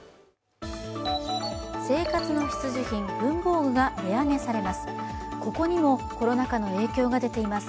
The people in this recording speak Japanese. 生活の必需品、文房具が値上げされます。